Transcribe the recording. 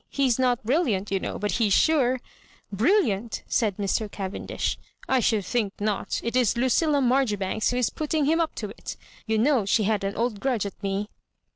He's not brilliant, you know, but he's sure "" Brilliant 1" said Mr. Cavendish, "I should think not. It is Lucilla Maijoribanks who is putting him up to it. You know she had an old grudge at me."